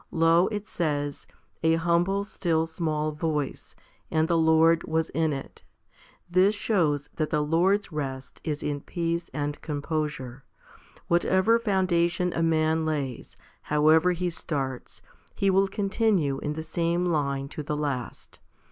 Lo, it says, a humble still small voice, and the Lord was in it. 2 This shows that the Lord's rest is in peace and composure. Whatever founda tion a man lays, however he starts, he will continue in the same line to the last.